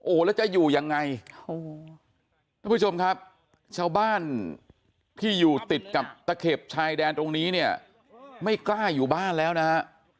โอ้โหแล้วจะอยู่ยังไงโอ้โหท่านผู้ชมครับชาวบ้านที่อยู่ติดกับตะเข็บชายแดนตรงนี้เนี่ยไม่กล้าอยู่บ้านแล้วนะฮะ